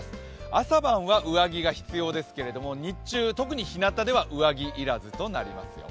朝晩は上着が必要ですけれども日中は上着要らずとなりますよ。